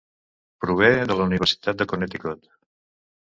Prové de la Universitat de Connecticut.